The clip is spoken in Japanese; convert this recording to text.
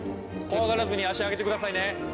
怖がらずに足上げてくださいね。